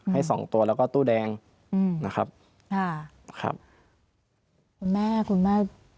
ให้สองตัวแล้วก็ตู้แดงอืมนะครับค่ะครับคุณแม่คุณแม่